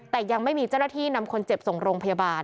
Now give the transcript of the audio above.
แต่ยังไม่มีเจ้าหน้าที่นำคนเจ็บส่งโรงพยาบาล